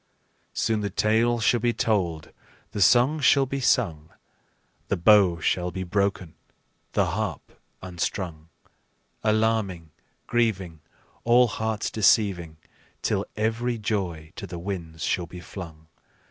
Soon the tale shall be told, the song shall be sung, The bow shall be broken, the harp unstrung, Alarming, grieving, All hearts deceiving, Till every joy to the winds shall be flung.